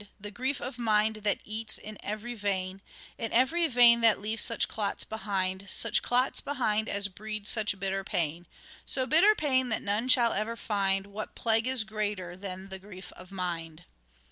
The grief of mind that eats in every vein, In every vein that leaves such clots behind, Such clots behind as breed such bitter pain. So bitter pain that none shall ever find What plague is greater than the grief of mind?